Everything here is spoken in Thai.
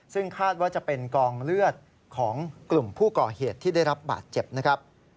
ซึ่งคาดว่าจะเป็นกองเลือดของกลุ่มผู้ก่อเหตุที่ได้รับบาดเจ็บนะครับ